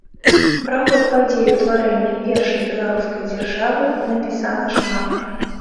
Пра ход падзей утварэння першай беларускай дзяржавы напісана шмат.